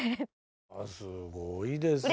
すごいですね。